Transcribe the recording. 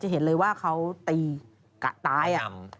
เห็นเลยว่าเขาตีกะตาย